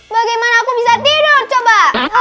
bagaimana aku bisa tidur coba